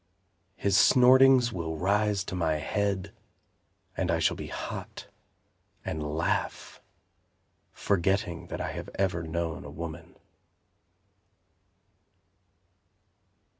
His snortings will rise to my head, And I shall be hot, and laugh, Forgetting that I have ever known a woman.